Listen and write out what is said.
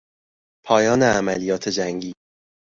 پایان عملیات جنگی